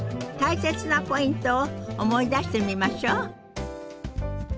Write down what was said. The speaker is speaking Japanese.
大切なポイントを思い出してみましょう。